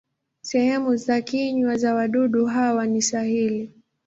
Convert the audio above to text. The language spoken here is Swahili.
Sehemu za kinywa za wadudu hawa ni sahili.